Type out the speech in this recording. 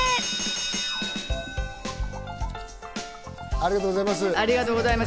ありがとうございます。